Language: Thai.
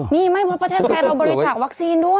นี่ไม่เพราะประเทศไทยเราบริจาควัคซีนด้วย